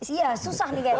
iya susah nih kayaknya